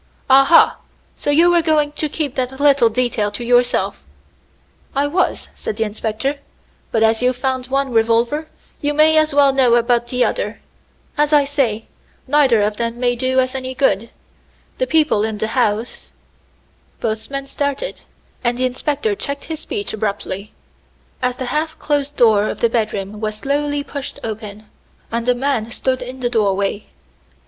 "Aha! so you were going to keep that little detail to yourself." "I was," said the inspector, "but as you've found one revolver, you may as well know about the other. As I say, neither of them may do us any good. The people in the house " Both men started, and the inspector checked his speech abruptly, as the half closed door of the bedroom was slowly pushed open, and a man stood in the doorway.